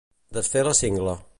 Desfer la cingla.